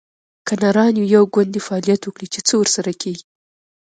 که نران یو، یو ګوند دې فعالیت وکړي؟ چې څه ورسره کیږي